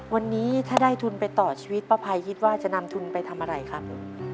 วันนี้ถ้าได้ทุนไปต่อชีวิตป้าภัยคิดว่าจะนำทุนไปทำอะไรครับ